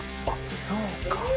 あっそうか。